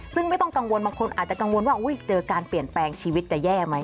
ซึ่งไม่ต้องกังวลบางคนอาจจะกังวลว่าเจอการเปลี่ยนแปลงชีวิตจะแย่ไหม